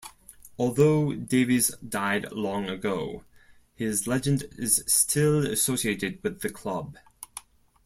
Although Davies died long ago, his legend is still associated with the club.